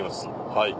はい。